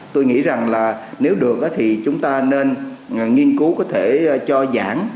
tôi nghĩ rằng là nếu được thì chúng ta nên nghiên cứu có thể cho giảng